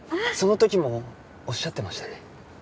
その時もおっしゃってましたね。